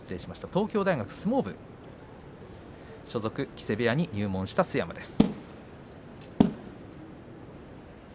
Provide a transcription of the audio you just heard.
東京大学相撲部所属木瀬部屋に入門した須山です。